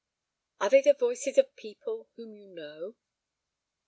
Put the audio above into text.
"Are they the voices of people whom you know?"